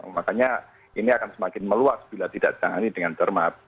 makanya ini akan semakin meluas bila tidak ditangani dengan cermat